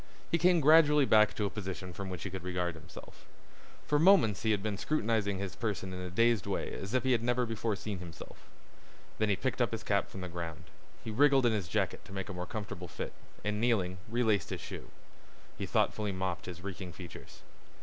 He came gradually back to a position from which he could regard himself. For moments he had been scrutinizing his person in a dazed way as if he had never before seen himself. Then he picked up his cap from the ground. He wriggled in his jacket to make a more comfortable fit, and kneeling relaced his shoe. He thoughtfully mopped his reeking features.